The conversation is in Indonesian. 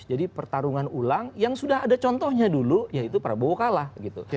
jadi pertarungan ulang yang sudah ada contohnya dulu yaitu prabowo karim